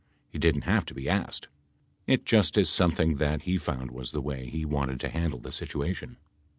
He didn't have to be asked. It just is something that he found was the way he wanted to handle the situation.